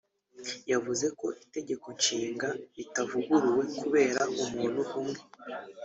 yavuze ko Itegeko Nshinga ritavuguruwe kubera umuntu umwe